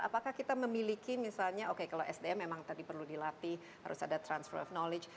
apakah kita memiliki misalnya oke kalau sdm memang tadi perlu dilatih harus ada transfer of knowledge